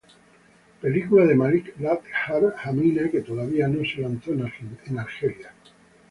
Película de Malik Lakdhar-Hamina que todavía no se lanzó en Argelia.